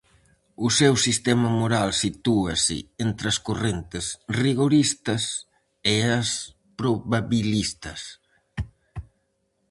O seu sistema moral sitúase entre as correntes rigoristas e as probabilistas.